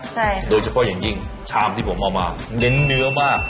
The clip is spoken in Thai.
ใช่ค่ะโดยเฉพาะอย่างยิ่งชามที่ผมเอามาเน้นเนื้อมาก